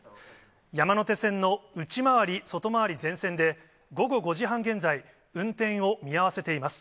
山手線の内回り、外回り全線で、午後５時半現在、運転を見合わせています。